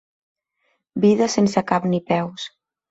Vides sense cap ni peus.